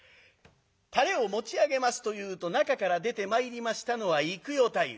たれを持ち上げますというと中から出てまいりましたのは幾代太夫。